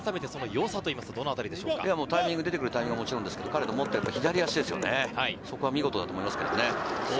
タイミング、出てくるタイミングはもちろんですが、彼の持っている左足、そこは見事だと思います。